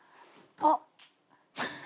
あっ」